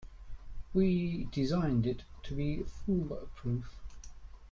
We designed it to be fool-proof.